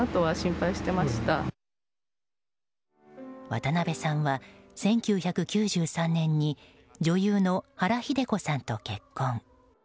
渡辺さんは１９９３年に女優の原日出子さんと結婚。